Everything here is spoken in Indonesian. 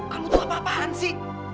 kamu tuh apa apaan sih